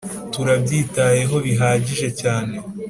turabyitayeho bihagije cyane